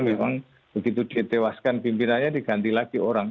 memang begitu ditewaskan pimpinannya diganti lagi orang